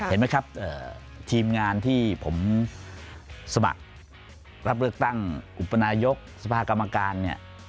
เห็นไหมครับทีมงานที่ผมสมัครรับเลือกตั้งอุปนายกสภากรรมการเนี่ย